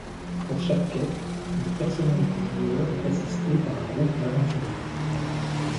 Pour chaque quête, le personnage du joueur est assisté par un groupe d’aventurier.